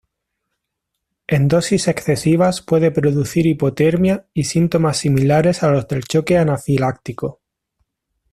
En dosis excesivas puede producir hipotermia y síntomas similares a los del choque anafiláctico.